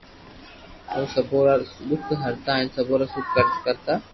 او سبو را دک ھرتا ھين سبو را سک ڪرتا